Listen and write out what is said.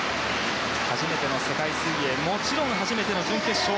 初めての世界水泳もちろん初めての準決勝。